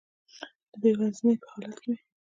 د بې وزنۍ په حالت کې وي.